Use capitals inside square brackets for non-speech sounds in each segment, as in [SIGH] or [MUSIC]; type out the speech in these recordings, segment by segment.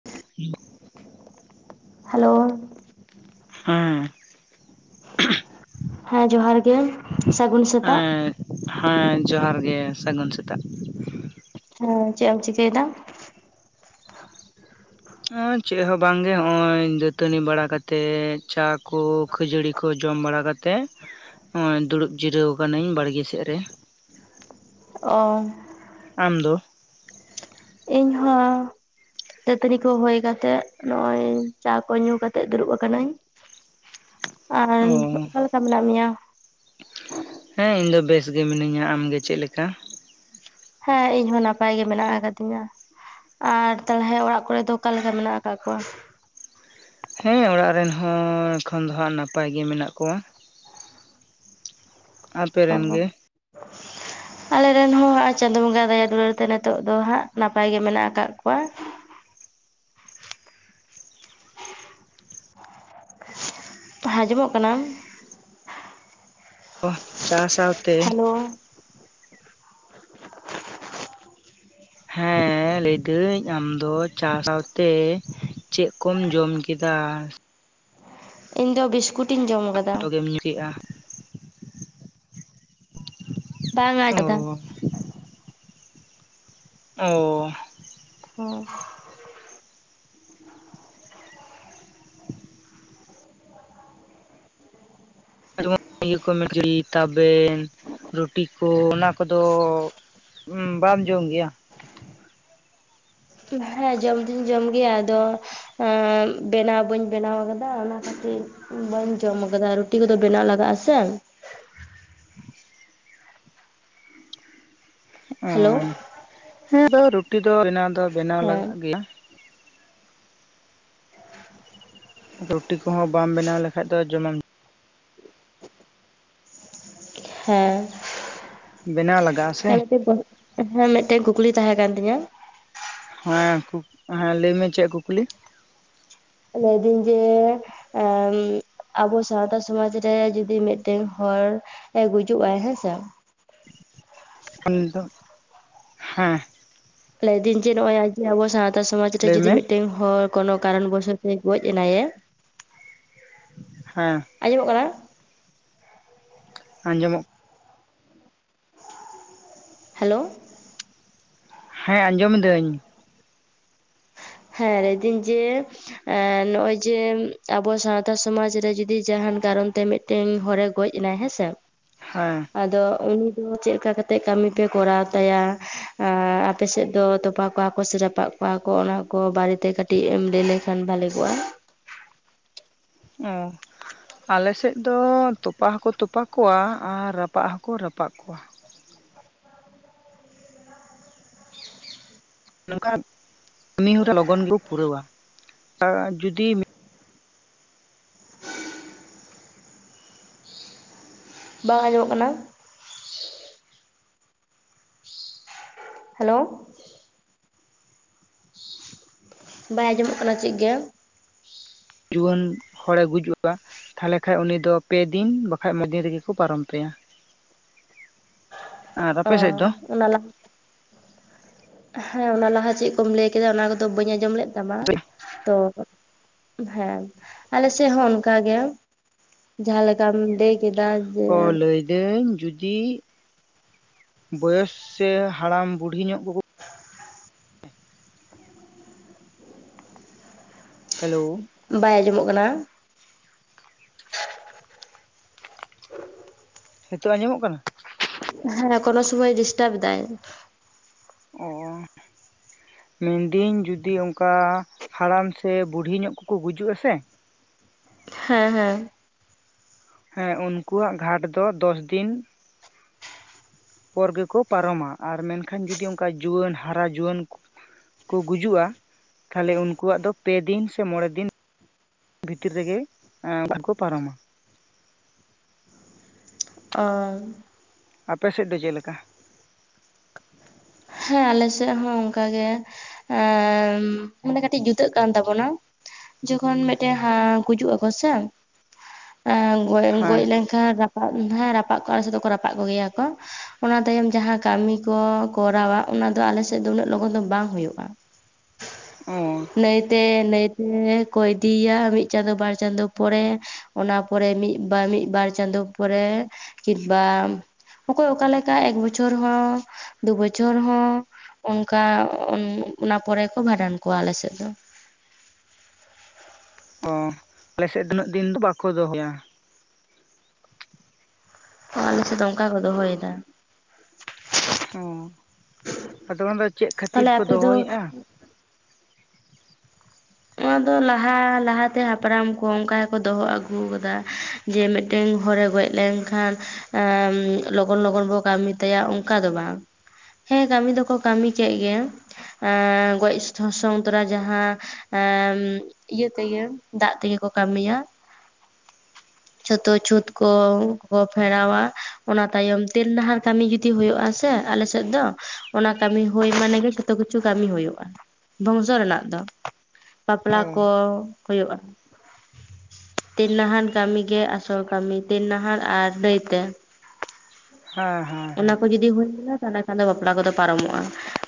[INAUDIBLE] Hello. ᱦᱮᱸ ᱦᱮᱸ ᱡᱚᱦᱟᱨ ᱜᱮ ᱥᱟᱹᱜᱩᱱ ᱥᱮᱛᱟᱜ ᱦᱮᱸ ᱦᱮᱸ ᱡᱚᱦᱟᱨ ᱜᱮ ᱥᱟᱹᱜᱩᱱ ᱥᱮᱛᱟᱜ᱾ ᱦᱮᱸ ᱪᱮᱫ ᱮᱢ ᱪᱤᱠᱟᱹᱭ ᱫᱟ? ᱚ ᱪᱮᱫ ᱦᱚᱸ ᱵᱟᱝ ᱜᱮ ᱦᱚᱜᱼᱚᱭ ᱫᱟᱹᱛᱟᱹᱱᱤ ᱵᱟᱲᱟ ᱠᱟᱛᱮᱜ ᱪᱟ ᱠᱚ ᱠᱷᱟᱹᱡᱟᱹᱲᱤ ᱠᱚ ᱡᱚᱢ ᱵᱟᱲᱟ ᱠᱟᱛᱮ ᱦᱚᱜᱼᱚᱭ ᱫᱩᱲᱩᱵ ᱡᱤᱨᱟᱹᱣ ᱟᱠᱟᱱᱟᱹᱧ ᱵᱟᱲᱜᱮ ᱥᱮᱫ ᱨᱮ᱾ ᱚ ᱟᱢ ᱫᱚ? ᱤᱧ ᱦᱚᱸ᱾ ᱫᱟᱹᱛᱟᱹᱱᱤ ᱠᱚ ᱦᱳᱭ ᱠᱟᱛᱮᱜ ᱱᱚᱜᱼᱚᱭ ᱪᱟ ᱠᱚ ᱧᱩ ᱠᱟᱛᱮᱜ ᱫᱩᱨᱩᱵ ᱠᱟᱱᱟᱹᱧ᱾ [UNINTELLIGIBLE] ᱚ ᱚᱠᱟ ᱞᱮᱠᱟ ᱢᱮᱱᱟᱜ ᱢᱮᱭᱟ ᱦᱮᱸ ᱤᱧ ᱫᱚ ᱵᱮᱥ ᱜᱮ ᱢᱤᱱᱟᱹᱧᱟ᱾ ᱟᱢ ᱜᱮ ᱪᱮᱫ ᱞᱮᱠᱟ? ᱦᱮᱸ ᱤᱧ ᱦᱚᱸ ᱱᱟᱯᱟᱭ ᱜᱮ ᱢᱮᱱᱟᱜ ᱟᱠᱟ ᱫᱤᱧᱟ᱾ ᱟᱨ ᱛᱟᱦᱞᱮ ᱚᱲᱟᱜ ᱠᱚᱨᱮ ᱫᱚ ᱚᱠᱟ ᱞᱮᱠᱟ ᱢᱮᱱᱟᱜ ᱟᱠᱟᱜ ᱠᱚᱣᱟ? ᱦᱮᱸ ᱚᱲᱟᱜ ᱨᱮᱱ ᱦᱚᱸ ᱮᱠᱷᱚᱱ ᱫᱚ ᱦᱟᱸᱜ ᱱᱟᱯᱟᱭ ᱜᱮ ᱢᱮᱱᱟᱜ ᱠᱚᱣᱟ᱾ ᱟᱯᱮ ᱚ ᱨᱮᱱ ᱜᱮ ᱟᱞᱮ ᱨᱮᱱ ᱦᱚᱸ ᱦᱟᱸᱜ ᱪᱟᱸᱫᱳ ᱵᱚᱸᱜᱟ ᱫᱟᱭᱟ ᱫᱩᱞᱟᱹᱲ ᱛᱮ ᱱᱤᱛᱚᱜ ᱫᱚ ᱦᱟᱸᱜ ᱱᱟᱯᱟᱭ ᱜᱮ ᱢᱮᱱᱟᱜ ᱠᱟᱜ ᱠᱚᱣᱟ᱾ ᱦᱮᱸ ᱦᱟᱸᱡᱚᱢᱚᱜ ᱠᱟᱱᱟ? [UNINTELLIGIBLE] ᱥᱟᱶ ᱥᱟᱶ ᱛᱮ ᱦᱮᱞᱳ ᱦᱮᱸ ᱞᱟᱹᱭ ᱫᱟᱹᱧ ᱟᱢ ᱫᱚ ᱪᱟ ᱥᱟᱶ ᱛᱮ ᱪᱮᱜ ᱠᱚᱢ ᱡᱚᱢ ᱠᱮᱫᱟ? ᱤᱧ ᱫᱚ ᱵᱤᱥᱠᱩᱴ ᱤᱧ ᱡᱚᱢ ᱠᱟᱫᱟ᱾ [UNINTELLIGIBLE] ᱧᱩ ᱠᱮᱜᱼᱟ᱾ ᱵᱟᱝᱼᱟ ᱚ ᱡᱟᱫᱟ᱾ ᱚ [UNINTELLIGIBLE] [UNINTELLIGIBLE] ᱤᱭᱟᱹ ᱠᱚ ᱠᱷᱟᱹᱡᱟᱹᱲᱤ ᱛᱟᱵᱮᱱ ᱨᱩᱴᱤ ᱠᱚ ᱚᱱᱟ ᱠᱚᱫᱚ ᱵᱟᱢ ᱡᱚᱢ ᱜᱮᱭᱟ ᱦᱮᱸ ᱡᱚᱢ ᱫᱩᱧ ᱡᱚᱢ ᱜᱮᱭᱟ, ᱟᱫᱚ ᱵᱮᱱᱟᱣ ᱵᱟᱹᱧ ᱵᱮᱱᱟᱣ ᱟᱠᱟᱫᱟ ᱚᱱᱟ ᱚᱱᱟ ᱠᱷᱟᱹᱛᱤᱨ ᱵᱟᱹᱧ ᱡᱚᱢ ᱟᱠᱟᱫᱟ ᱨᱩᱴᱤ ᱠᱚᱫᱚ ᱵᱮᱱᱟᱣ ᱞᱟᱜᱟᱜᱼᱟ ᱥᱮ᱾ [INAUDIBLE] ᱚ ᱦᱮᱞᱳ ᱦᱮᱸᱫᱚ ᱨᱩᱴᱤ ᱫᱚ ᱵᱮᱱᱟᱣ ᱫᱚ ᱵᱮᱱᱟᱣ ᱦᱮᱸ ᱞᱟᱜᱟᱜ ᱜᱮᱭᱟ ᱨᱩᱴᱤ ᱠᱚᱦᱚᱸ ᱵᱟᱢ ᱵᱮᱱᱟᱣ ᱞᱮ ᱠᱷᱟᱡ ᱫᱚ ᱡᱚᱢ ᱟᱢ ᱦᱮᱸ ᱵᱮᱱᱟᱣ ᱞᱟᱜᱟᱜᱼᱟ [UNINTELLIGIBLE] ᱥᱮ ᱦᱮᱸ ᱢᱮᱫ ᱴᱮᱱ ᱠᱩᱠᱞᱤ ᱛᱟᱦᱮᱸ ᱠᱟᱱ ᱛᱤᱧᱟ? ᱦᱮᱸ ᱠᱩ ᱦᱮᱸ ᱞᱟᱹᱭ ᱢᱮ ᱪᱮᱫ ᱠᱩᱠᱞᱤ᱾ ᱞᱟᱹᱭ ᱫᱤᱧ ᱡᱮ ᱮ ᱟᱵᱚ ᱥᱟᱶᱛᱟ ᱥᱚᱢᱟᱡᱽ ᱨᱮ ᱡᱩᱫᱤ ᱢᱤᱫ ᱴᱮᱜ ᱦᱚᱲ ᱜᱩᱡᱩᱜ-ᱟᱭ ᱦᱮᱸᱥᱮ ᱩᱱ ᱫᱚ ᱦᱮᱸ᱾ ᱞᱟᱹᱭ ᱫᱟᱹᱧ ᱡᱮ ᱱᱚᱜᱼᱚᱭ, ᱡᱮ ᱟᱵᱚ ᱥᱟᱶᱛᱟ ᱥᱚᱢᱟᱡᱽ ᱨᱮ ᱞᱟᱹᱭ ᱡᱩᱫᱤ ᱢᱮ ᱢᱤᱫ ᱴᱮᱜ ᱦᱚᱲ ᱠᱳᱱᱳ ᱠᱟᱨᱚᱱ ᱵᱚᱥᱚᱛ ᱛᱮ ᱜᱚᱡ ᱮᱱᱟᱭᱟ᱾ ᱦᱮᱸ᱾ ᱟᱸᱡᱚᱢ ᱚᱜ ᱠᱟᱱᱟ᱾ ᱟᱸᱡᱚᱢ ᱚᱜ ᱦᱮᱞᱳ᱾ ᱦᱮᱸ ᱟᱸᱡᱚᱢᱤᱫᱟᱹᱧ ᱾ ᱦᱮᱸ ᱞᱟᱹᱭ ᱫᱟᱧ ᱡᱮ ᱮᱸ ᱱᱚᱜᱼᱚᱭ ᱡᱮ ᱟᱵᱚ ᱥᱟᱶᱛᱟ ᱥᱚᱢᱟᱡᱽ ᱨᱮ ᱡᱩᱫᱤ ᱡᱟᱦᱟᱱ ᱠᱟᱨᱚᱱ ᱛᱮ ᱢᱤᱫ ᱛᱮᱧ ᱦᱚᱨᱮ ᱜᱚᱡ ᱮᱱᱟᱭ ᱦᱮᱸᱥᱮ ᱾ ᱦᱮᱸ ᱾ ᱟᱫᱚ ᱩᱱᱤ ᱫᱚ ᱪᱮᱫ ᱞᱮᱠᱟ ᱠᱟᱛᱮᱫ ᱠᱟᱹᱢᱤ ᱯᱮ ᱠᱚᱨᱟᱣ ᱛᱟᱭᱟ ᱟᱯᱮ ᱥᱮᱫ ᱫᱚ ᱛᱚᱯᱟ ᱠᱚᱣᱟ ᱠᱚ ᱥᱮ ᱨᱟᱯᱟᱜ ᱠᱚᱣᱟ ᱠᱚ ᱚᱱᱟ ᱠᱚ ᱵᱟᱨᱮᱛᱮ ᱠᱟᱹᱴᱤᱡ ᱮᱢ ᱞᱟᱹᱭ ᱞᱮᱠᱷᱟᱱ ᱵᱷᱟᱜᱮ ᱠᱚᱜᱼᱟ ᱾ ᱳ ᱾ ᱟᱞᱮᱥᱮᱫ ᱫᱚ ᱛᱚᱯᱟ ᱦᱚᱸᱠᱚ ᱛᱚᱯᱟ ᱠᱚᱣᱟ ᱟᱨ ᱨᱟᱯᱟᱜ ᱦᱚᱸᱠᱚ ᱨᱟᱯᱟᱜ ᱠᱚᱣᱟ ᱾ ᱱᱚᱝᱠᱟ ᱠᱟᱹᱢᱤ ᱦᱚᱨᱟ ᱞᱚᱜᱚᱱ ᱜᱮᱠᱚ ᱯᱩᱨᱟᱹᱣᱟ ᱟᱨ ᱡᱩᱫᱤ ᱵᱟᱝ ᱟᱸᱡᱚᱢᱚᱜ ᱠᱟᱱᱟ? ᱦᱮᱞᱳ ᱾ ᱵᱟᱭ ᱟᱸᱡᱚᱢᱚᱜ ᱠᱟᱱᱟ ᱪᱮᱜ ᱜᱮ? ᱡᱩᱣᱟᱹᱱ ᱦᱚᱲᱮ ᱜᱩᱡᱩᱜᱼᱟ ᱾ ᱛᱟᱦᱞᱮ ᱠᱷᱟᱡ ᱩᱱᱤ ᱫᱚ ᱯᱮ ᱫᱤᱱ ᱵᱟᱠᱷᱟᱡ ᱢᱤᱫ ᱫᱤᱱ ᱨᱮᱜᱮᱠᱚ ᱯᱟᱨᱚᱢ ᱛᱮᱭᱟ ᱾ ᱟᱨ ᱚ ᱟᱯᱮ ᱥᱮᱫ ᱫᱚ? ᱚᱱᱟ ᱞᱟ ᱦᱮᱸ ᱚᱱᱟ ᱞᱟᱦᱟ ᱪᱮᱫ ᱠᱚᱢ ᱞᱟᱹᱭ ᱠᱮᱫᱟ ᱚᱱᱟ ᱠᱚᱫᱚ ᱵᱟᱹᱧ ᱟᱸᱡᱚᱢ ᱞᱮᱫ ᱛᱟᱢᱟ ᱛᱚ? ᱦᱮᱸ ᱟᱞᱮ ᱥᱮᱫ ᱦᱚᱸ ᱚᱱᱠᱟ ᱜᱮ ᱡᱟᱦᱟᱸ ᱞᱮᱠᱟᱢ ᱞᱟᱹᱭ ᱠᱮᱫᱟ ᱾ ᱚ ᱞᱟᱹᱭᱫᱟᱹᱧ ᱡᱩᱫᱤ ᱾ ᱵᱚᱭᱮᱥ ᱥᱮ ᱦᱟᱲᱟᱢ ᱵᱩᱰᱷᱤ ᱧᱚᱜ ᱠᱚᱠᱚ ᱦᱮᱞᱳ ᱾ ᱵᱟᱭ ᱟᱸᱡᱚᱢᱚᱜ ᱠᱟᱱᱟ ᱾ ᱱᱤᱛᱚᱜ ᱟᱸᱡᱚᱢᱚᱜ ᱠᱟᱱᱟ ᱾ ᱦᱮᱸ ᱠᱚᱱᱳ ᱥᱚᱢᱚᱭ ᱰᱤᱥᱴᱟᱵ ᱫᱟᱭ ᱾ ᱚ᱾ ᱢᱤᱱᱫᱤᱧ ᱡᱩᱫᱤ ᱚᱱᱠᱟ ᱦᱟᱲᱟᱢ ᱥᱮ ᱵᱩᱲᱦᱤ ᱧᱚᱜ ᱠᱚᱠᱚ ᱜᱩᱡᱩᱜ-ᱟ, ᱥᱮ? ᱦᱮᱸ ᱦᱮᱸ᱾ ᱦᱮᱸ ᱩᱱᱠᱩᱣᱟᱜ ᱜᱷᱟᱴ ᱫᱚ ᱫᱚᱥ ᱫᱤᱱ ᱯᱚᱨ ᱜᱮᱠᱚ ᱯᱟᱨᱚᱢᱟ ᱟᱨ ᱢᱮᱱᱠᱷᱟᱱ ᱡᱩᱫᱤ ᱚᱱᱠᱟ ᱡᱩᱣᱟᱹᱱ ᱦᱟᱨᱟ ᱡᱩᱣᱟᱹᱱ ᱠᱚ ᱜᱩᱡᱩᱜᱼᱟ ᱛᱷᱟᱞᱮ ᱩᱱᱠᱩᱣᱟᱜ ᱫᱚ ᱯᱮ ᱫᱤᱱ ᱥᱮ ᱢᱚᱬᱮ ᱫᱤᱱ ᱵᱷᱤᱛᱤᱨ ᱨᱮᱜᱮ [INAUDIBLE] ᱯᱟᱨᱚᱢᱟ᱾ ᱚ᱾ ᱟᱯᱮ ᱥᱮᱫ ᱫᱚ ᱪᱮᱫ ᱞᱮᱠᱟ? ᱦᱮᱸ ᱟᱞᱮ ᱥᱮᱫ ᱦᱚᱸ ᱚᱱᱠᱟᱜᱮ ᱮᱸ- ᱢᱟᱱᱮ ᱠᱟᱹᱴᱤᱡ ᱡᱩᱫᱟᱹᱜ ᱠᱟᱱ ᱛᱟᱵᱚᱱᱟ᱾ ᱡᱚᱠᱷᱚᱱ ᱢᱤᱫᱴᱮᱱ ᱦᱮᱸ ᱜᱩᱡᱩᱜ-ᱟ ᱠᱚ ᱥᱮ ᱮᱸ ᱜᱚᱡ ᱜᱚᱡ ᱦᱮᱸ ᱞᱮᱱ ᱠᱷᱟᱱ ᱨᱟᱯᱟᱜ ᱦᱟᱸ ᱨᱟᱯᱟᱜ ᱠᱚ ᱟᱞᱮ ᱥᱮᱫ ᱫᱚ ᱠᱚ ᱨᱟᱯᱟᱜ ᱠᱚᱜᱮᱭᱟ ᱠᱚ᱾ ᱚᱱᱟ ᱛᱟᱭᱚᱢ ᱡᱟᱦᱟᱸ ᱠᱟᱹᱢᱤ ᱠᱚ ᱠᱚᱨᱟᱣᱟ ᱚᱱᱟ ᱫᱚ ᱟᱞᱮ ᱥᱮᱫ ᱫᱚ ᱩᱱᱟᱹᱜ ᱞᱚᱜᱚᱱ ᱫᱚ ᱵᱟᱝ ᱦᱩᱭᱩᱜᱼᱟ᱾ ᱚ᱾ ᱱᱟᱹᱭᱛᱮ ᱱᱟᱹᱭᱛᱮ ᱠᱚ ᱤᱫᱤᱭᱮᱭᱟ ᱢᱤᱫ ᱪᱟᱸᱫᱚ ᱵᱟᱨ ᱪᱟᱸᱫᱚ ᱯᱚᱨᱮ ᱚᱱᱟ ᱯᱚᱨᱮ ᱢᱤᱫ ᱵᱟᱨ ᱢᱤᱫ ᱵᱟᱨ ᱪᱟᱸᱫᱳ ᱯᱚᱨᱮ ᱠᱤᱱᱵᱟ ᱚᱠᱚᱭ ᱚᱠᱟ ᱞᱮᱠᱟ ᱮᱠ ᱵᱚᱪᱷᱚᱨ ᱦᱚᱸ ᱫᱩ ᱵᱚᱪᱷᱚᱨ ᱦᱚᱸ ᱚᱱᱠᱟ ᱚᱸ ᱚᱱᱟ ᱯᱚᱨᱮ ᱠᱚ ᱵᱷᱟᱸᱰᱟᱱ ᱠᱚᱣᱟ ᱟᱞᱮ ᱥᱮᱫ ᱫᱚ᱾ ᱚ ᱟᱞᱮ ᱥᱮᱫ ᱫᱚ ᱩᱱᱟᱹᱜ ᱫᱤᱱ ᱫᱚ ᱵᱟᱠᱚ ᱫᱚᱦᱚᱭᱟ᱾ ᱚ ᱟᱞᱮ ᱥᱮᱫ ᱫᱚ ᱚᱱᱠᱟ ᱠᱚ ᱫᱚᱦᱚᱭᱮᱫᱟ᱾ ᱚ ᱟᱫᱚ ᱚᱱᱟᱫᱚ ᱪᱮᱫ ᱠᱷᱟᱹᱛᱤᱨ ᱛᱟᱦᱚᱞᱮ ᱠᱚ ᱟᱯᱮ ᱫᱚ ᱫᱚᱦᱚᱭᱮᱜ-ᱟ? ᱚᱱᱟᱫᱚ ᱞᱟᱦᱟ ᱞᱟᱦᱟᱛᱮ ᱦᱟᱯᱲᱟᱢ ᱠᱚ ᱚᱱᱠᱟ ᱜᱮᱠᱚ ᱫᱚᱦᱚ ᱟᱹᱜᱩ ᱟᱠᱟᱫᱟ᱾ ᱡᱮ ᱢᱤᱫᱴᱮᱱ ᱦᱚᱲᱮ ᱜᱚᱡ ᱞᱮᱱ ᱠᱷᱟᱱ ᱮᱸ ᱞᱚᱜᱚᱱ ᱞᱚᱜᱚᱱ ᱵᱚ ᱠᱟᱹᱢᱤ ᱛᱟᱭᱟ ᱚᱱᱠᱟ ᱫᱚ ᱵᱟᱝ᱾ ᱦᱮᱸ ᱠᱟᱹᱢᱤ ᱫᱚᱠᱚ ᱠᱟᱹᱢᱤ ᱪᱚᱭᱮᱫ ᱜᱮᱭᱟ ᱮᱸᱻ ᱜᱚᱡ ᱥᱚ ᱥᱚᱱ ᱛᱚᱨᱟ ᱡᱟᱦᱟᱸ ᱮᱸ ᱤᱭᱟᱹ ᱛᱮᱜᱮ ᱫᱟᱜ ᱛᱮᱜᱮ ᱠᱚ ᱠᱟᱹᱢᱤᱭᱟ᱾ ᱡᱷᱚᱛᱚ ᱪᱷᱩᱸᱛ ᱠᱚᱠᱚ ᱯᱷᱮᱨᱟᱣᱟ ᱚᱱᱟ ᱛᱟᱭᱚᱢ ᱛᱮᱞ ᱰᱟᱦᱟᱱ ᱠᱟᱹᱢᱤ ᱡᱩ ᱛᱤ ᱦᱩᱭᱩᱜᱼᱟ ᱥᱮ ᱟᱞᱮ ᱥᱮᱫ ᱫᱚ ᱚᱱᱟ ᱠᱟᱹᱢᱤ ᱦᱩᱭ ᱢᱟᱱᱮ ᱜᱮ ᱡᱷᱚᱛᱚ ᱠᱤᱪᱷᱩ ᱠᱟᱹᱢᱤ ᱦᱩᱭᱩᱜᱼᱟ᱾ ᱵᱚᱝᱥᱚ ᱨᱮᱱᱟᱜ ᱫᱚ, ᱵᱟᱯᱞᱟ ᱠᱚ ᱚ ᱦᱩᱭᱩᱜᱼᱟ᱾ ᱛᱮᱞ ᱱᱟᱦᱟᱱ ᱠᱟᱹᱢᱤᱜᱮ ᱟᱥᱚᱞ ᱠᱟᱹᱢᱤ ᱛᱮᱞ ᱱᱟᱦᱟᱱ ᱟᱨ ᱱᱟᱹᱭᱛᱮ᱾ ᱦᱮᱸ ᱦᱮᱸ ᱚᱱᱟ ᱦᱮᱸ ᱠᱚ ᱡᱩᱫᱤ ᱦᱩᱭ ᱞᱮᱱᱟ ᱛᱟᱞᱦᱮ ᱠᱷᱟᱱ ᱫᱚ ᱵᱟᱯᱞᱟ ᱠᱚᱫᱚ ᱯᱟᱨᱚᱢᱚᱜᱼᱟ,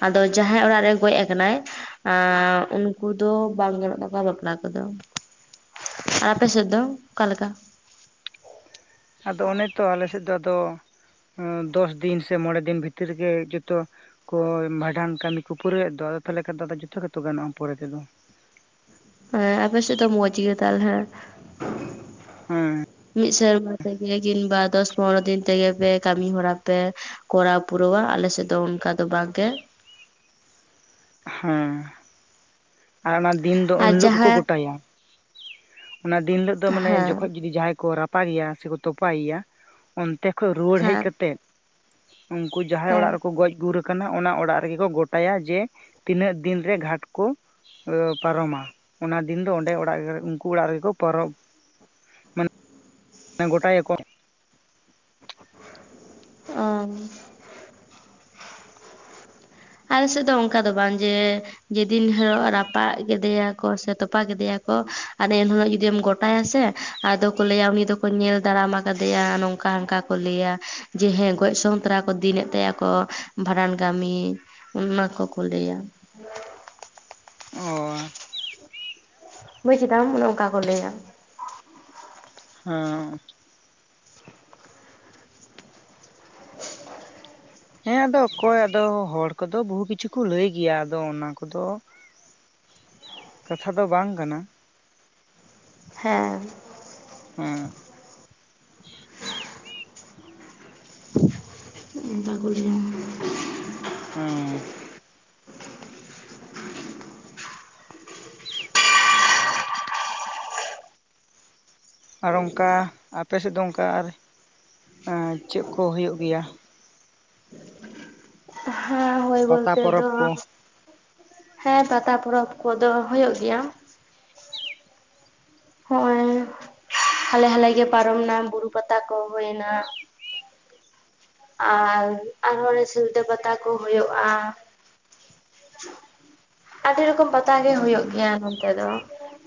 ᱟᱫᱚ ᱡᱟᱦᱟᱸᱭ ᱚᱲᱟᱜ ᱨᱮ ᱜᱚᱡ ᱟᱠᱟᱱᱟᱭ ᱟᱸᱻ ᱩᱱ ᱠᱩ ᱫᱚ ᱵᱟᱝ ᱜᱟᱱᱚᱜ ᱛᱟᱠᱚᱣᱟ ᱵᱟᱯᱞᱟ ᱠᱚᱫᱚ, ᱟᱨ ᱟᱯᱮ ᱥᱮᱫ ᱫᱚ ᱚᱠᱟ ᱞᱮᱠᱟ? ᱟᱫᱚ ᱚᱱᱮ ᱛᱚ ᱟᱞᱮ ᱥᱮᱫ ᱫᱚ ᱟᱫᱚ, ᱩᱸ ᱫᱚᱥ ᱫᱤᱱ ᱥᱮ ᱢᱚᱬᱮ ᱫᱤᱱ ᱵᱷᱤᱛᱤᱨ ᱨᱮᱜᱮ ᱡᱚᱛᱚ ᱠᱚ ᱵᱷᱟᱰᱟᱱ ᱠᱟᱹᱢᱤ ᱠᱚ ᱯᱩᱨᱟᱹᱣᱮᱫ ᱫᱚ ᱟᱫᱚ ᱛᱟᱦᱚᱞᱮ ᱠᱷᱟᱱ ᱫᱚᱫᱚ ᱡᱚᱛᱚ ᱜᱮᱛᱚ ᱜᱟᱱᱚᱜᱼᱟ ᱯᱚᱨᱮ ᱛᱮᱫᱚ᱾ ᱦᱮᱸ ᱟᱯᱮ ᱥᱮᱫ ᱫᱚ ᱢᱚᱡᱽ ᱜᱮ ᱛᱟᱦᱚᱞᱮ᱾ ᱦᱮᱸ᱾ ᱢᱤᱫ ᱥᱮᱨᱢᱟ ᱛᱮᱜᱮ ᱠᱤᱱᱵᱟ ᱫᱚᱥ ᱯᱚᱱᱨᱚ ᱫᱤᱱ ᱛᱮᱜᱮ ᱯᱮ ᱠᱟᱹᱢᱤ ᱦᱚᱨᱟ ᱯᱮ ᱠᱚᱨᱟᱣ ᱯᱩᱨᱟᱹᱣᱟ ᱟᱞᱮ ᱥᱮᱫ ᱫᱚ ᱚᱱᱠᱟ ᱫᱚ ᱵᱟᱝᱜᱮ᱾ ᱦᱮᱸ᱾ ᱟᱨ ᱚᱱᱟ ᱫᱤᱱ ᱫᱚ ᱩᱱ ᱟᱨ ᱦᱤᱞᱚᱜ ᱜᱮᱠᱚ ᱡᱟᱦᱟᱸ ᱜᱚᱴᱟᱭᱟ᱾ ᱚᱱᱟ ᱫᱤᱱ ᱦᱤᱞᱳᱜ ᱫᱚ ᱢᱟᱱᱮ ᱦᱮᱸ ᱡᱚᱠᱷᱚᱱ ᱡᱩᱫᱤ ᱡᱟᱦᱟᱸᱭ ᱠᱚ ᱨᱟᱯ ᱯᱟᱜᱮᱭᱟ ᱥᱮᱠᱚ ᱛᱚᱯᱟᱭᱮᱭᱟ ᱚᱱᱛᱮ ᱠᱷᱚᱡ ᱨᱩᱣᱟᱹᱲ ᱦᱮᱡ ᱦᱮᱸ ᱠᱟᱛᱮᱫ ᱩᱱᱠᱩ ᱡᱟᱦᱟᱸᱭ ᱚᱲᱟᱜ ᱦᱮᱸ ᱨᱮᱠᱚ ᱜᱚᱡ ᱜᱩᱨ ᱠᱟᱱᱟ ᱚᱱᱟ ᱚᱲᱟᱜ ᱨᱮᱜᱮ ᱠᱚ ᱜᱚᱴᱟᱭᱟ ᱡᱮ, ᱛᱤᱱᱟᱹᱜ ᱫᱤᱱ ᱨᱮ ᱜᱷᱟᱴ ᱠᱚ᱾ ᱚ ᱯᱟᱨᱚᱢᱟ ᱚᱱᱟ ᱫᱤᱱ ᱫᱚ ᱚᱸᱰᱮ ᱚᱲᱟᱜ ᱩᱱᱠᱩ ᱚᱲᱟᱜ ᱨᱮᱜᱮ ᱠᱚ ᱯᱟᱨᱚᱢ ᱜᱚᱴᱟᱭᱟ ᱠᱚ᱾ ᱚᱻ᱾ ᱟᱞᱮ ᱥᱮᱫ ᱫᱚ ᱚᱱᱠᱟ ᱫᱚ ᱵᱟᱝ ᱡᱮᱻ᱾ ᱡᱮᱫᱤᱱ ᱦᱤᱞᱳᱜ ᱨᱟᱯᱟᱜ ᱠᱮᱫᱮᱭᱟ ᱠᱚ ᱥᱮ ᱛᱚᱯᱟ ᱠᱮᱫᱮᱭᱟ ᱠᱚ ᱦᱟᱱᱮ ᱤᱱᱦᱤᱞᱳᱜ ᱡᱩᱫᱤᱢ ᱜᱚᱴᱟᱭᱟ ᱥᱮ᱾ ᱟᱫᱚ ᱠᱚ ᱞᱟᱹᱭᱟ ᱩᱱᱤ ᱫᱚ ᱠᱚ ᱧᱮᱞ ᱫᱟᱨᱟᱢ ᱟᱠᱟᱫᱮᱭᱟ ᱱᱚᱝᱠᱟ ᱦᱟᱱᱠᱟ ᱠᱚ ᱞᱟᱹᱭᱟ ᱡᱮ ᱦᱮᱸ ᱜᱚᱡ ᱥᱚᱝ ᱛᱟᱨᱟ ᱠᱚ ᱫᱤᱱᱮᱫ ᱛᱟᱭᱟᱠᱚ ᱵᱷᱟᱸᱰᱟᱱ ᱠᱟᱹᱢᱤ ᱚᱱᱟ ᱠᱚ ᱠᱚ ᱞᱟᱹᱭᱟ᱾ ᱚᱻ᱾ ᱵᱩᱡᱽ ᱠᱮᱫᱟᱢ ᱚᱱᱮ ᱚᱱᱠᱟ ᱠᱚ ᱞᱟᱹᱭᱟ᱾ ᱦᱮᱸᱻ᱾ ᱦᱮᱸ ᱟᱫᱚ ᱚᱠᱚᱭ ᱟᱫᱚ ᱦᱚᱲ ᱠᱚᱫᱚ ᱵᱩᱦᱩ ᱠᱤᱪᱷᱩ ᱠᱚ ᱞᱟᱹᱭ ᱜᱮᱭᱟ ᱟᱫᱚ ᱚᱱᱟ ᱠᱚᱫᱚ᱾ ᱠᱟᱛᱷᱟ ᱫᱚ ᱵᱟᱝ ᱠᱟᱱᱟ᱾ ᱦᱮᱸ᱾ ᱦᱮᱸ᱾ [INAUDIBLE] ᱚᱱᱠᱟ ᱠᱚ ᱞᱟᱹᱭᱟ᱾ ᱚᱸᱻ᱾ ᱟᱨ ᱚᱱᱠᱟ ᱟᱯᱮᱥᱮᱫ ᱫᱚ ᱚᱱᱠᱟ ᱟᱨ ᱮᱸ ᱪᱮᱫ ᱠᱚ ᱦᱩᱭᱩᱜ ᱜᱮᱭᱟ? ᱦᱮᱸ ᱦᱳᱭ ᱯᱟᱛᱟ ᱵᱚᱞᱛᱮ ᱫᱚ᱾ ᱯᱚᱨᱚᱵᱽ ᱠᱚ ᱦᱮᱸ ᱯᱟᱛᱟ ᱯᱚᱨᱚᱵᱽ ᱠᱚᱫᱚ ᱦᱩᱭᱩᱜ ᱜᱮᱭᱟ᱾ ᱦᱚᱜ-ᱚᱭ᱾ ᱦᱟᱞᱮ ᱦᱟᱞᱮ ᱜᱮ ᱯᱟᱨᱚᱢ ᱱᱟ ᱵᱩᱨᱩ ᱯᱟᱛᱟ ᱠᱚ ᱦᱩᱭᱱᱟ᱾ ᱟᱨ ᱟᱨᱦᱚᱸ ᱚᱱᱮ ᱥᱤᱞᱫᱟᱹ ᱯᱟᱛᱟ ᱠᱚ ᱦᱩᱭᱩᱜ-ᱟ᱾ ᱟᱹᱰᱤ ᱨᱚᱠᱚᱢ ᱯᱟᱛᱟ ᱜᱮ ᱦᱩᱭᱩᱜ ᱜᱮᱭᱟ ᱱᱚᱱ ᱛᱮ ᱫᱚ᱾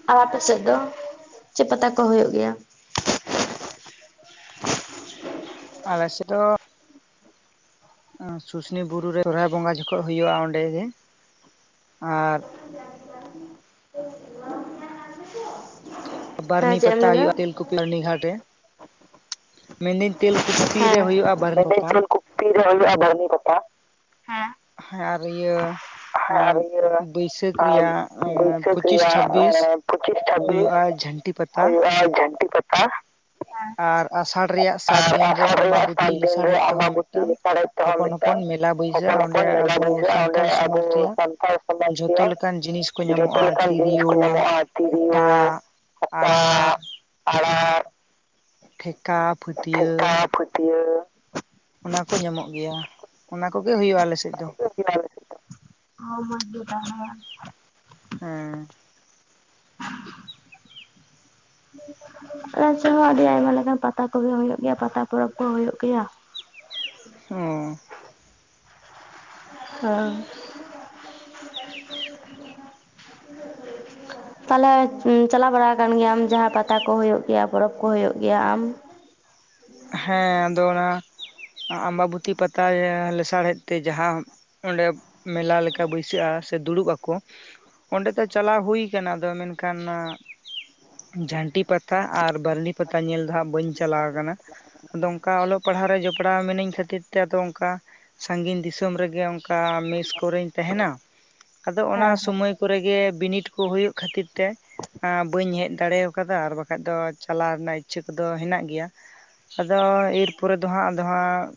ᱟᱨ ᱟᱯᱮ ᱥᱮᱫ ᱫᱚ ᱪᱮᱫ ᱯᱟᱛᱟ ᱠᱚ ᱦᱩᱭᱩᱜ ᱜᱮᱭᱟ? ᱟᱞᱮ ᱥᱮᱫ ᱫᱚ᱾ ᱥᱩᱥᱱᱤ ᱵᱩᱨᱩ ᱨᱮ ᱥᱚᱦᱚᱨᱟᱭ ᱵᱚᱸᱜᱟ ᱡᱚᱠᱷᱚᱡ ᱦᱳᱭᱳ-ᱟ ᱚᱸᱰᱮ ᱜᱮ᱾ ᱟᱨ᱾ [INAUDIBLE] [INAUDIBLE] ᱵᱟᱨᱱᱤ ᱮᱢ ᱯᱟᱛᱟ ᱞᱟᱹᱭᱫᱟ ᱦᱩᱭᱩᱜ-ᱟ ᱛᱮᱞᱠᱩᱯᱤ ᱨᱱᱤ ᱜᱷᱟᱴ ᱨᱮ ᱢᱮᱱᱫᱟᱹᱧ᱾ ᱛᱮᱞᱠᱩᱯᱤ ᱨᱮ ᱦᱩᱭᱩᱜ-ᱟ ᱵᱟᱨᱱ ᱯᱟᱛᱟ᱾ ᱠᱩᱯᱤ ᱨᱮ ᱦᱩᱭᱩᱜ-ᱟ ᱵᱟᱹᱨᱱᱤ ᱯᱟᱛᱟ᱾ ᱦᱮᱸ ᱟᱨ ᱤᱭᱟᱹ ᱦᱮᱸ ᱟᱨ ᱤᱭᱟᱹ ᱵᱟᱹᱭᱥᱟᱹᱠᱷ ᱟᱨ ᱨᱮᱭᱟᱜ ᱵᱟᱹᱭᱥᱟᱹᱠᱷ ᱯᱩᱪᱤᱥ ᱪᱷᱟᱵᱵᱤᱥ ᱨᱮᱭᱟᱜ ᱯᱚᱸᱪᱤᱥ ᱪᱷᱟᱵᱵᱤᱥ ᱦᱩᱭᱩᱜ-ᱟ ᱡᱷᱟᱹᱱᱴᱤ ᱯᱟᱛᱟ᱾ ᱦᱩᱭᱩᱜᱼᱟ ᱡᱷᱟᱹᱱᱴᱤ ᱯᱟᱛᱟ ᱟᱨ ᱟᱥᱟᱲ ᱨᱮᱭᱟᱜ ᱥᱟᱛ ᱟᱨ ᱫᱤᱱ ᱨᱮ ᱟᱥᱟᱲ ᱨᱮᱭᱟᱜ ᱥᱟᱛ ᱟᱢᱵᱟᱵᱚᱛᱤ ᱫᱤᱱ ᱨᱮ ᱞᱮᱥᱟᱲᱦᱮᱫ ᱛᱮᱦᱚᱸ ᱟᱢᱵᱟᱵᱚᱛᱤ ᱢᱤᱫᱴᱟᱝ ᱞᱮᱥᱟᱲᱦᱮᱫ ᱛᱮᱦᱚᱸ ᱦᱚᱯᱚᱱ ᱦᱚᱯᱚᱱ ᱢᱤᱫᱴᱟᱝ ᱢᱮᱞᱟ ᱦᱚᱯᱚᱱ ᱵᱟᱹᱭᱥᱟᱹᱜ-ᱟ ᱚᱸᱰᱮ ᱦᱚᱯᱚᱱ ᱟᱵᱚ ᱢᱮᱞᱟ ᱟᱵᱚ ᱵᱟᱹᱭᱥᱟᱹᱜᱼᱟ ᱚᱸᱰᱮ ᱥᱟᱱᱛᱟᱲ ᱟᱵᱚ ᱥᱚᱢᱟᱡᱽ ᱨᱮᱭᱟᱜ ᱥᱟᱱᱛᱟᱲ ᱥᱚᱢᱟᱡᱽ ᱡᱷᱚᱛᱚ ᱨᱮᱭᱟᱜ ᱞᱮᱠᱟᱱ ᱡᱤᱱᱤᱥ ᱠᱚ ᱡᱚᱛᱚ ᱧᱟᱢᱚᱜ-ᱟ ᱞᱮᱠᱟᱱ ᱡᱤᱱᱤᱥ ᱠᱚ ᱛᱤᱨᱭᱳ ᱧᱟᱢᱚᱜᱼᱟ ᱛᱤᱨᱭᱳ ᱦᱟᱴᱟᱜ ᱟᱬᱟᱨ᱾ ᱟᱲᱟᱨ᱾ ᱴᱷᱮᱠᱟ ᱴᱷᱮᱠᱟ, ᱯᱟᱹᱴᱚᱭᱟᱹ᱾ ᱚᱱᱟᱠᱚ ᱧᱟᱢᱚᱜ ᱜᱮᱭᱟ, ᱚᱱᱟ ᱠᱚᱜᱮ ᱦᱩᱭᱩᱜ-ᱟ ᱟᱞᱮ ᱥᱮᱫ ᱫᱚ᱾ [UNINTELLIGIBLE] ᱦᱮᱸ᱾ ᱟᱪᱦᱚᱸ ᱟᱹᱰᱤ ᱟᱭᱢᱟ ᱞᱮᱠᱟᱱ ᱯᱟᱛᱟ ᱠᱚᱜᱮ ᱦᱩᱭᱩᱜ ᱜᱮᱭᱟ, ᱯᱟᱛᱟ ᱯᱚᱨᱚᱵᱽ ᱠᱚ ᱦᱩᱭᱩᱜ ᱜᱮᱭᱟ᱾ ᱚᱻ ᱚᱻ ᱛᱟᱞᱦᱮ ᱪᱟᱞᱟᱣ ᱵᱟᱲᱟ ᱟᱠᱟᱱ ᱜᱮᱭᱟᱢ, ᱡᱟᱦᱟᱸ ᱯᱟᱛᱟ ᱠᱚ ᱦᱩᱭᱩᱜ ᱜᱮᱭᱟ, ᱯᱚᱨᱚᱵᱽ ᱠᱚ ᱦᱩᱭᱩᱜ ᱜᱮᱭᱟ ᱟᱢ? ᱦᱮᱸ ᱟᱫᱚ ᱚᱱᱟ, ᱟᱢᱵᱟᱵᱚᱛᱤ ᱯᱟᱛᱟ ᱜᱮ ᱞᱮᱥᱟᱲᱦᱮᱫ ᱛᱮ ᱡᱟᱦᱟᱸ ᱚᱱᱰᱮ ᱢᱮᱞᱟ ᱞᱮᱠᱟ ᱵᱟᱹᱭᱥᱟᱹᱜᱼᱟ, ᱥᱮ ᱫᱩᱲᱩᱵ ᱟᱠᱚ ᱚᱸᱰᱮ ᱫᱚ ᱪᱟᱞᱟᱣ ᱦᱩᱭᱩ ᱠᱟᱱᱟ, ᱟᱫᱚ ᱢᱮᱱᱠᱷᱟᱱ ᱡᱷᱟᱱᱴᱤ ᱯᱟᱛᱟ ᱟᱨ ᱵᱟᱨᱱᱤ ᱯᱟᱛᱟ ᱧᱮᱞ ᱫᱚ ᱦᱟᱸᱜ, ᱵᱟᱹᱧ ᱪᱟᱞᱟᱣ ᱟᱠᱟᱱᱟ᱾ ᱟᱫᱚ ᱚᱱᱠᱟ ᱚᱞᱚᱜ ᱯᱟᱲᱦᱟᱣ ᱨᱮ ᱡᱚᱯᱲᱟᱣ ᱢᱤᱱᱟᱹᱧ ᱠᱷᱟᱹᱛᱤᱨ ᱛᱮ, ᱟᱫᱚ ᱚᱱᱠᱟ ᱥᱟᱺᱜᱤᱧ ᱫᱤᱥᱚᱢ ᱨᱮᱜᱮ, ᱚᱱᱠᱟ ᱢᱮᱥ ᱠᱚᱨᱮᱧ ᱛᱟᱦᱮᱱᱟ, ᱟᱫᱚ ᱚᱱᱟ ᱦᱮᱸ ᱦᱮᱸ ᱥᱚᱢᱚᱭ ᱠᱚᱨᱮ ᱜᱮ ᱵᱤᱱᱤᱰ ᱠᱚ ᱦᱳᱭᱳᱜ ᱠᱷᱟᱹᱛᱤᱨ ᱛᱮ ᱟ ᱵᱟᱹᱧ ᱦᱮᱡ ᱫᱟᱲᱮ ᱟᱠᱟᱫᱟ, ᱟᱨ ᱵᱟᱠᱷᱟᱡ ᱫᱚ ᱪᱟᱞᱟᱣ ᱨᱮᱱᱟᱜ ᱤᱪᱪᱷᱟᱹ ᱠᱚᱫᱚ ᱦᱮᱱᱟᱜ ᱜᱮᱭᱟ ᱟᱫᱚ ᱮᱨᱯᱚᱨᱮ ᱫᱚ ᱦᱟᱸᱜ, ᱟᱫᱚ ᱦᱟᱸᱜ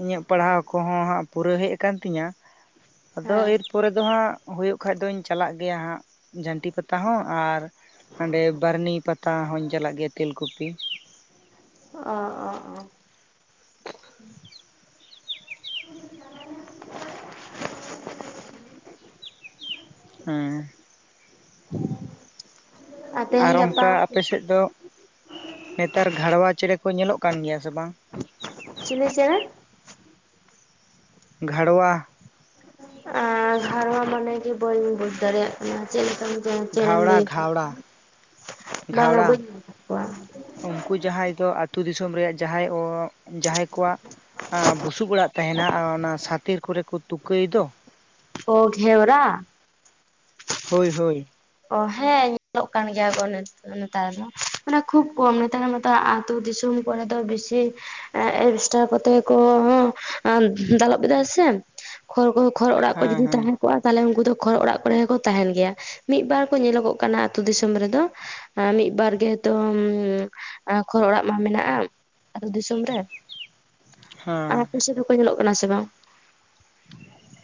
ᱤᱧᱟᱹᱜ ᱯᱟᱲᱦᱟᱣ ᱠᱚᱦᱚᱸ ᱦᱟᱸᱜ ᱯᱩᱨᱟᱹ ᱦᱮᱡ ᱟᱠᱟᱱ ᱛᱤᱧᱟᱹ, ᱟᱫᱚ ᱦᱮᱸ ᱮᱨᱯᱚᱨᱮ ᱫᱚ ᱦᱟᱸᱜ ᱦᱳᱭᱳᱜ ᱠᱷᱟᱱ ᱫᱩᱧ ᱪᱟᱞᱟᱜ ᱜᱮᱭᱟ ᱦᱟᱸᱜ, ᱡᱷᱟᱹᱱᱴᱤ ᱯᱟᱛᱟ ᱦᱚᱸ ᱟᱨ ᱦᱟᱸᱰᱮ ᱵᱟᱹᱨᱱᱤ ᱯᱟᱛᱟ ᱦᱚᱸᱧ ᱪᱟᱞᱟᱜ ᱜᱮᱭᱟ ᱛᱮᱞᱠᱩᱯᱤ᱾ ᱚ ᱚ ᱚᱻ ᱩᱸ [INAUDIBLE] ᱟᱨ ᱛᱮᱦᱮᱧ ᱚᱱᱠᱟ ᱜᱟᱯᱟ ᱟᱯᱮ ᱥᱮᱫ ᱫᱚ ᱱᱮᱛᱟᱨ ᱜᱷᱟᱲᱣᱟ ᱪᱮᱬᱮ ᱠᱚ ᱧᱮᱞᱚᱜ ᱠᱟᱱ ᱜᱮᱭᱟ ᱥᱮ ᱵᱟᱝ? ᱪᱤᱞᱤ ᱪᱮᱬᱮ? ᱜᱷᱟᱲᱣᱟ ᱚᱱᱟ ᱜᱷᱟᱨᱣᱟ ᱢᱚᱱᱮ ᱜᱤ ᱵᱟᱹᱧ ᱵᱩᱡᱽ ᱫᱟᱲᱮᱭᱟ ᱪᱮᱫ ᱞᱮᱠᱟ ᱪᱮᱬᱮᱢ ᱜᱷᱟᱣᱲᱟ ᱞᱟᱹᱭᱪ ᱜᱷᱟᱣᱲᱟ ᱵᱟᱝᱟ ᱜᱷᱟᱣᱲᱟ ᱵᱟᱹᱧ ᱧᱮᱞ ᱟᱠᱟᱫ ᱠᱚᱣᱟ᱾ ᱩᱱᱠᱩ ᱡᱟᱦᱟᱸᱭ ᱫᱚ ᱟᱛᱳ ᱫᱤᱥᱚᱢ ᱨᱮᱭᱟᱜ ᱡᱟᱦᱟᱸᱭ ᱚ ᱡᱟᱦᱟᱸᱭ ᱠᱚᱣᱟᱜ ᱵᱩᱥᱩᱵ ᱚᱲᱟᱜ ᱛᱟᱦᱮᱱᱟ, ᱚᱱᱟ ᱥᱟᱛᱮ ᱠᱚᱨᱮ ᱠᱚ ᱛᱩᱠᱟᱹᱭ ᱫᱚ, ᱚ ᱜᱮᱣᱨᱟ? ᱦᱳᱭ ᱦᱳᱭ, ᱚ ᱦᱮᱸ ᱧᱮᱞᱚᱜ ᱠᱟᱱ ᱜᱮᱭᱟ ᱠᱚ ᱱᱮ ᱱᱮᱛᱟᱨ ᱫᱚ, ᱢᱟᱱᱮ ᱠᱷᱩᱵ ᱠᱚᱢ ᱱᱮᱛᱟᱨ ᱢᱚᱛᱚ ᱟᱛᱳ ᱫᱤᱥᱚᱢ ᱠᱚᱨᱮ ᱫᱚ ᱵᱮᱥᱤ ᱮ ᱮᱰᱵᱷᱮᱥᱴᱟᱨ ᱠᱚᱛᱮ ᱜᱮ ᱠᱚ ᱫᱟᱞᱚᱵ ᱮᱟ ᱥᱮ, ᱠᱷᱚᱲ ᱠᱚ ᱠᱷᱚᱲ ᱚᱲᱟᱜ ᱠᱚ ᱦᱮᱸ ᱡᱩᱫᱤ ᱦᱮᱸ ᱛᱟᱦᱮᱸ ᱠᱚᱜᱼᱟ, ᱛᱟᱦᱞᱮ ᱩᱱᱠᱩ ᱫᱚ ᱠᱷᱚᱲ ᱚᱲᱟᱜ ᱠᱚᱨᱮ ᱦᱚᱸᱠᱚ ᱛᱟᱦᱮᱱ ᱜᱮᱭᱟ᱾ ᱢᱤᱫ ᱵᱟᱨ ᱠᱚ ᱧᱮᱞᱚᱜᱚᱜ ᱠᱟᱱᱟ, ᱟᱛᱳ ᱫᱤᱥᱚᱢ ᱨᱮᱫᱚ᱾ ᱮ ᱢᱤᱫ ᱵᱟᱨ ᱜᱮᱛᱚ, ᱩᱢ ᱠᱷᱚᱲ ᱚᱲᱟᱜ ᱢᱟ ᱢᱮᱱᱟᱜᱼᱟ᱾ ᱟᱛᱳ ᱫᱤᱥᱚᱢ ᱨᱮ᱾ ᱟᱨ ᱦᱮᱸ ᱟᱯᱮ ᱥᱮᱫ ᱦᱚᱸᱠᱚ ᱧᱮᱞᱚᱜ ᱠᱟᱱᱟ ᱥᱮ ᱵᱟᱝ?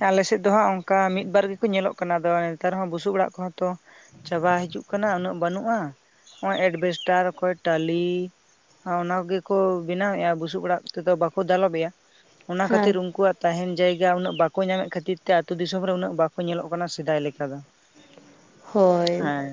ᱟᱞᱮ ᱥᱮᱫ ᱫᱚᱦᱟᱸᱜ ᱚᱱᱠᱟ ᱢᱤᱫᱵᱟᱨ ᱜᱮᱠᱚ ᱧᱮᱞᱚᱜ ᱠᱟᱱᱟ, ᱟᱫᱚ ᱱᱮᱛᱟᱨ ᱦᱚᱸ ᱵᱩᱥᱩᱵ ᱚᱲᱟᱜ ᱠᱚᱦᱚᱸ ᱛᱚ ᱪᱟᱵᱟ ᱦᱤᱡᱩᱜ ᱠᱟᱱᱟ, ᱩᱱᱟᱹᱜ ᱵᱟᱹᱱᱩᱜᱼᱟ ᱱᱚᱜ ᱚᱭ ᱮᱰᱵᱮᱥᱴᱟᱨ ᱚᱠᱚᱭ ᱴᱟᱞᱤ ᱟᱨ ᱚᱱᱟ ᱜᱮᱠᱚ ᱵᱮᱱᱟᱣᱮᱜ-ᱟ ᱵᱩᱥᱩᱵ ᱚᱲᱟᱜ ᱛᱮᱫᱚ, ᱵᱟᱠᱚ ᱫᱟᱞᱚᱵᱮᱜ-ᱟ᱾ ᱚᱱᱟ ᱦᱮᱸ ᱠᱷᱟᱹᱛᱤᱨ ᱩᱝᱠᱩᱣᱟᱜ ᱛᱟᱦᱮᱱ ᱡᱟᱭ -ᱡᱟ ᱩᱱᱟᱹᱜ ᱵᱟᱠᱚ ᱧᱟᱢᱮᱫ ᱠᱷᱟᱹᱛᱤᱨ ᱛᱮ, ᱟᱹᱛᱩ ᱫᱤᱥᱚᱢ ᱨᱮ ᱩᱱᱟᱹᱜ ᱵᱟᱠᱚ ᱧᱮᱞᱚᱜ ᱠᱟᱱᱟ ᱥᱮᱫᱟᱭ ᱞᱮᱠᱟ ᱫᱚ᱾ ᱦᱳᱭᱻ ᱦᱮᱸ